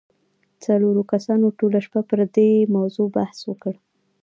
څلورو کسانو ټوله شپه پر دې موضوع بحث وکړ